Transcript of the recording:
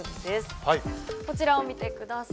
こちらを見てください。